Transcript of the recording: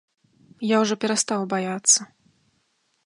Я ўжо перастаў баяцца.